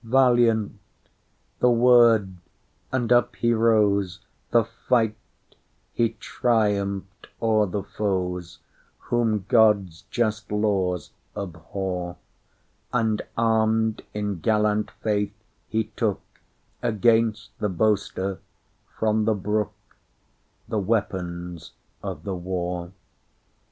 Valiant—the word, and up he rose; The fight—he triumphed o'er the foesWhom God's just laws abhor; And, armed in gallant faith, he tookAgainst the boaster, from the brook, The weapons of the war.